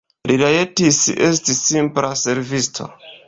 Li rajtis esti simpla servisto.